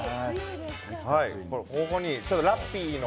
ここにラッピーの。